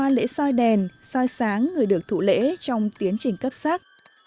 trải qua lễ soi đèn soi sáng người được thủ lễ trong tiến trình cấp sắc